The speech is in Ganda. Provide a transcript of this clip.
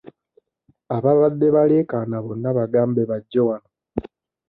Ababadde baleekaana bonna bagambe bajje wano.